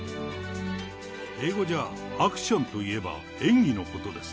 英語じゃアクションといえば、演技のことです。